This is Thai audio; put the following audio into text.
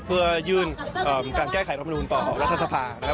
เพื่อยื่นการแก้ไขรัฐมนุนต่อรัฐสภานะครับ